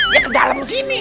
ya ke dalam sini